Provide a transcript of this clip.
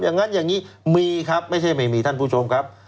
อย่างนั้นอย่างนี้มีครับไม่ใช่ไม่มีท่านผู้ชมครับ